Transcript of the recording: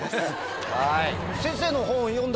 先生の本。